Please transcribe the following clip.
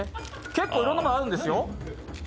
結構いろんなのがあるんですよ。